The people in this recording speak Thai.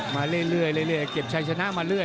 มาเรื่อยเก็บชัยชนะมาเรื่อย